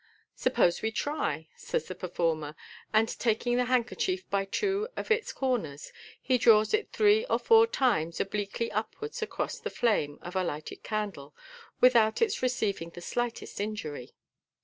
" Suppose we try," says the performer 3 and taking the handkerchief by two of its cor J33 MODERN MAGIC. tiers, he draws it three or four times obliquely upwards across tht flame of a lighted candle, without its receiving the slightest injury.